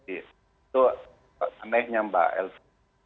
itu anehnya mbak elvi